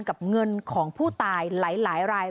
กับเงินของผู้ตายหลายราย